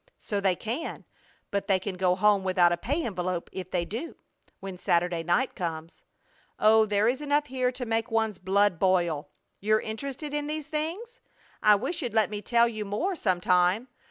So they can, but they can go home without a pay envelope if they do, when Saturday night comes. Oh, there is enough here to make one's blood boil! You're interested in these things? I wish you'd let me tell you more some time.